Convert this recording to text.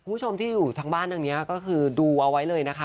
คุณผู้ชมที่อยู่ทางบ้านทางนี้ก็คือดูเอาไว้เลยนะคะ